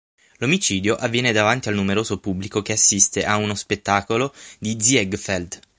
L'omicidio avviene davanti al numeroso pubblico che assiste a uno spettacolo di Ziegfeld.